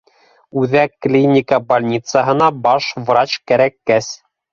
Үҙәк клиника больницаһына баш врач кәрәккәс